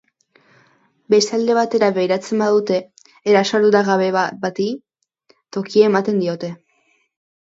Beste alde batera begiratzen badute eraso arduragabe bati tokia ematen diote.